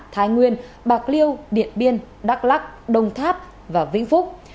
thái nguyên bạc liêu điện biên đắk lắc đồng tháp và vĩnh phúc